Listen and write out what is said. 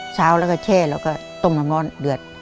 เช้าแล้วก็แช่แล้วก็ต้มน้ำร้อนเดือด